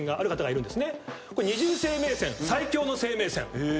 二重生命線最強の生命線。